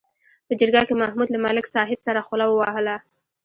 په جرګه کې محمود له ملک صاحب سره خوله ووهله.